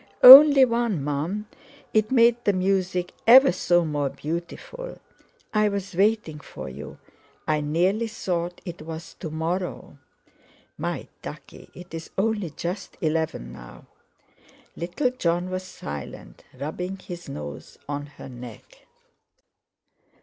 "Only one, Mum; it made the music ever so more beautiful. I was waiting for you—I nearly thought it was to morrow." "My ducky, it's only just eleven now." Little Jon was silent, rubbing his nose on her neck.